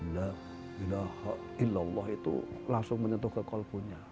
la ilaha illallah itu langsung menyentuh kekolpunya